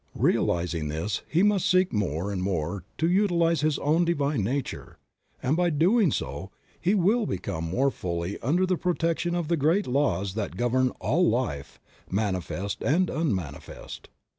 Realizing this, he must seek more and more to utilize his own Divine nature, and by so doing he will come more fully under the protection of the great laws that govern all life, manifest and unmanifest.